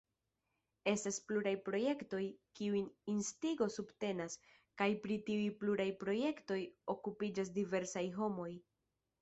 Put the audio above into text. Estas pluraj projektoj, kiujn Instigo subtenas, kaj pri tiuj pluraj projektoj okupiĝas diversaj homoj.